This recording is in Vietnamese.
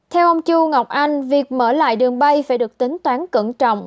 theo ông chu ngọc anh việc mở lại đường bay phải được tính toán cẩn trọng